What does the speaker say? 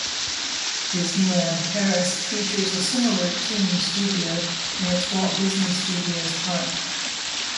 Disneyland Paris features a similar 'Toon Studio' in its Walt Disney Studios Park.